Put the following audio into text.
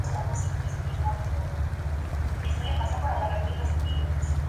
Chinese History: A Manual.